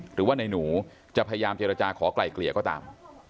หรือว่าในหนูจะพยายามเจรจาขอไกล่เกลี่ยก็ตาม